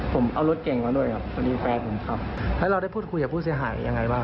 พูดแล้วผมจะรับผิดชอบทุกอย่างครับ